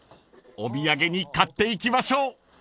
［お土産に買っていきましょう］